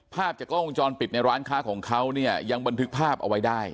ภาพจากกล้องวงจรปิดในร้านค้าของเขาเนี่ยยังบันทึกภาพเอาไว้ได้